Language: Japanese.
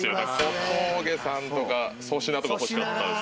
小峠さんとか粗品とか欲しかったですね。